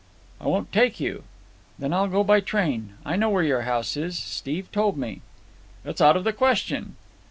"I won't take you." "Then I'll go by train. I know where your house is. Steve told me." "It's out of the question."